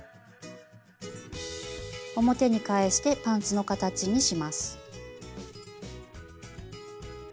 表に返してパンツの形にします。